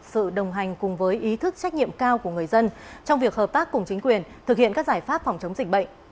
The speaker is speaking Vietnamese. sự đồng hành cùng với ý thức trách nhiệm cao của người dân trong việc hợp tác cùng chính quyền thực hiện các giải pháp phòng chống dịch bệnh